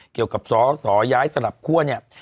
เกี่ยวกับสอย้ายสลับคั่วเนี่ย